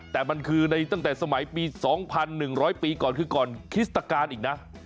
แต่มันคือในตั้งแต่สมัยปี๒๑๐๐ปีก่อนคือก่อนคริสตการณ์อีกนะ